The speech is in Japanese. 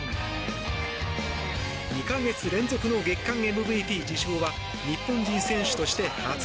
２か月連続の月間ＭＶＰ受賞は日本人選手として初。